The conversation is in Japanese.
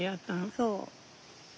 そう。